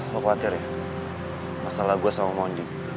gue khawatir ya masalah gue sama mondi